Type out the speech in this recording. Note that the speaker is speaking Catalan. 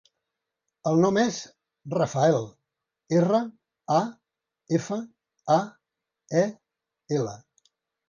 El nom és Rafael: erra, a, efa, a, e, ela.